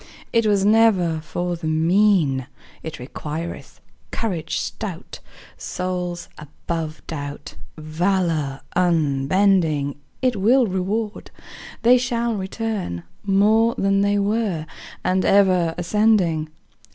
It was never for the mean; It requireth courage stout. Souls above doubt, Valor unbending, It will reward, They shall return More than they were, And ever ascending.